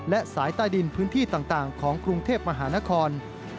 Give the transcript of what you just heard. และสายใต้ดินพื้นที่ต่างของกรุงเทพมหานคร